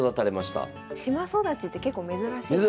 島育ちって結構珍しいですよね。